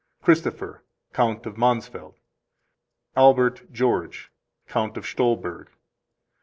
Christopher, Count of Mansfeld. Albert George, Count of Stolberg.